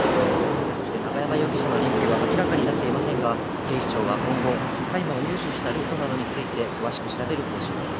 そして永山容疑者の認否は明らかになっていませんが、警視庁は大麻を入手したルートなどについて詳しく調べる方針です。